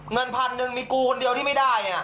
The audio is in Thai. เงินพันนึงมีกูคนเดียวที่ไม่ได้